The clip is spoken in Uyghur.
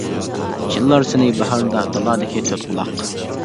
چىللار سېنى باھاردا، دالادىكى تۆت قۇلاق.